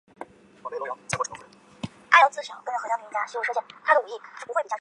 它们通常在清凉的黄昏捕食。